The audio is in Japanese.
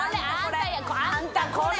あんたこれ。